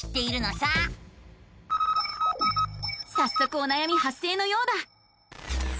さっそくおなやみ発生のようだ。